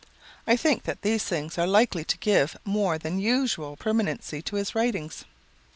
I think that these things are likely to give more than usual permanency to his writings.